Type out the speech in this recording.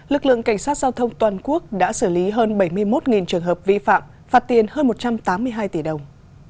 lực lượng cảnh sát giao thông toàn quốc đã xử lý hơn bảy mươi một trường hợp vi phạm phạt tiền hơn một trăm tám mươi hai tỷ đồng